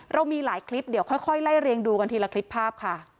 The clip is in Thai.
เรามีหลายคลิปค่อยไล่เรียงดูกันทีละคลิปภาพ